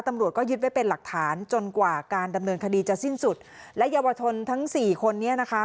ตำรวจก็ยึดไว้เป็นหลักฐานจนกว่าการดำเนินคดีจะสิ้นสุดและเยาวชนทั้งสี่คนนี้นะคะ